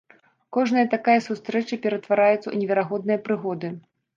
Кожная такая сустрэча ператвараецца ў неверагодныя прыгоды!